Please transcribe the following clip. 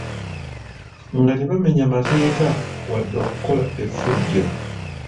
Nga tebamenya mateeka wadde okukola efujjo.